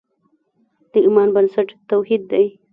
د ایمان بنسټ توحید دی.